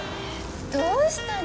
どうしたの？